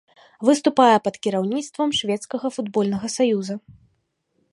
Выступае пад кіраўніцтвам шведскага футбольнага саюза.